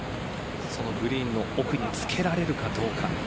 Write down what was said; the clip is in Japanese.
そのグリーンの奥につけられるかどうか。